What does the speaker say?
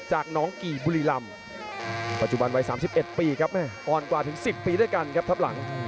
จากน้องกี่บุรีลำปัจจุบันวัย๓๑ปีครับแม่อ่อนกว่าถึง๑๐ปีด้วยกันครับทับหลัง